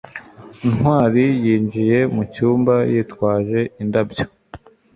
ntwali yinjiye mu cyumba, yitwaje indabyo